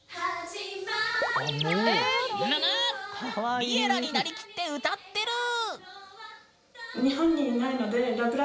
ぬぬっＬｉｅｌｌａ！になりきって歌ってるー！